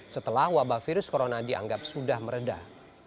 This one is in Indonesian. setelah wabah virus corona dianggap sudah meredah